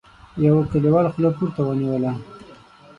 يوه کليوال خوله پورته ونيوله: